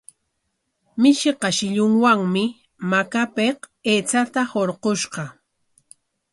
Mishiqa shillunwami makapik aychata hurqushqa.